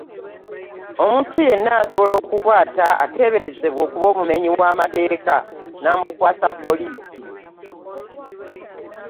Omuntu yenna asobola okukwaata ateeberezebwa okuba omumenyi w’amateeka namukwaasa poliisi.